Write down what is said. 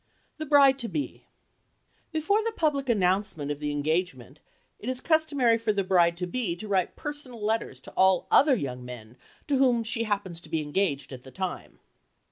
THE BRIDE TO BE Before the public announcement of the engagement it is customary for the bride to be to write personal letters to all other young men to whom she happens to be engaged at the time.